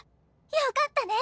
よかったね！